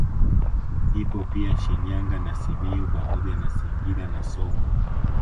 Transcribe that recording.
Ipo pia Shinyanga na Simiyu pamoja na Singida na Songwe